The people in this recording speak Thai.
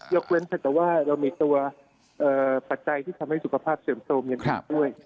ยกเว้นค่ะแต่ว่าเรามีตัวเอ่อปัจจัยที่ทำให้สุขภาพเสริมโทมยังไงด้วย